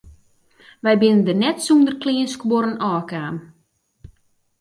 Wy binne der net sûnder kleanskuorren ôfkaam.